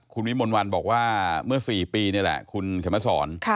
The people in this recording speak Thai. คุณวิมนต์วันบอกว่าเมื่อสี่ปีนี่แหละคุณเขมรสร